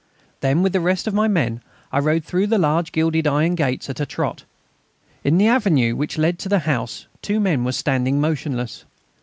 Then, with the rest of my men, I rode through the large gilded iron gates at a trot. In the avenue which led to the house two men were standing motionless.